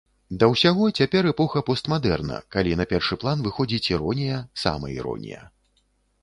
Да ўсяго, цяпер эпоха постмадэрна, калі на першы план выходзіць іронія, самаіронія.